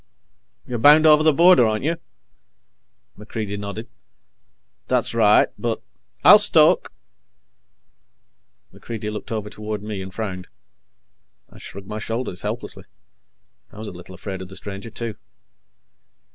"You're bound over the border, aren't you?" MacReidie nodded. "That's right. But " "I'll stoke." MacReidie looked over toward me and frowned. I shrugged my shoulders helplessly. I was a little afraid of the stranger, too.